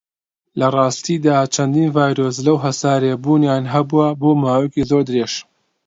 لەڕاستیدا، چەندین ڤایرۆس لەو هەسارەیە بوونیان هەبووە بۆ ماوەیەکی زۆر درێژ.